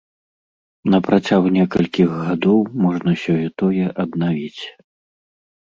На працягу некалькіх гадоў можна сёе-тое аднавіць.